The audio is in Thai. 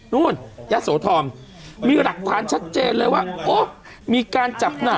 นู่นยะโสธรมีหลักฐานชัดเจนเลยว่าโอ้มีการจับน่ะ